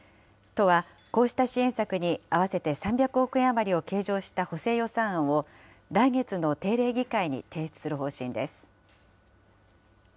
都は、こうした支援策に合わせて３００億円余りを計上した補正予算案を、来月の定例議会に提出する方針です。